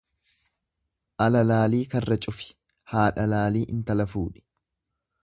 Ala laalii karra cufi, haadha laalii intala fuudhi.